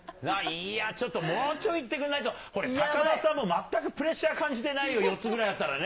いや、もうちょっといってくれないと、これ、高田さんも、全くプレッシャー感じてないよ、４つぐらいだったらね。